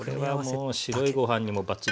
これはもう白いご飯にもバッチリでしょ。